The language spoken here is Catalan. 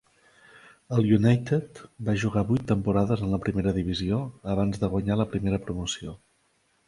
El United va jugar vuit temporades en la Primera Divisió abans de guanyar la primera promoció.